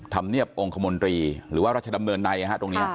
ธรรมเนียบองค์คมนตรีหรือว่ารัชดำเนินในตรงนี้